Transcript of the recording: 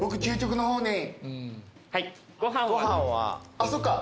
あっそっか。